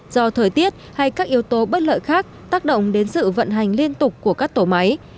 do thời tiết hay các yếu tố bất lợi khác tác động đến sự vận hành liên tục của các tổ máy